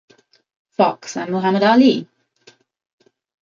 Fox and Muhammad Ali.